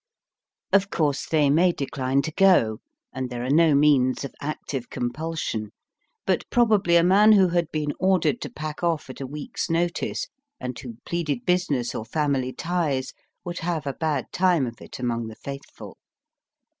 Of course, they may decline to go, and there are no means of active compulsion ; but probably a man who had been ordered to pack off at a week's notice, and who pleaded busi ness or family ties, would have a bad time of it among the faithful.